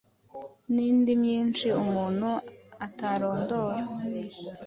n’indi myinshi umuntu atarondora.